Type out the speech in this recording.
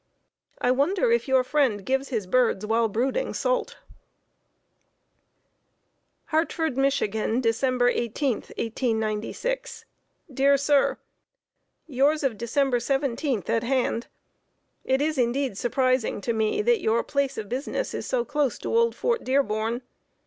I wonder if your friend gives his birds, while brooding, salt. Hartford, Mich., Dec. 18, 1896. Dear Sir: Yours of December 17th at hand. It is indeed surprising to me that your place of business is so close to old Fort Dearborn.